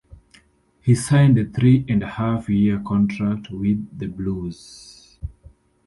He signed a three-and-half year contract with "The Blues".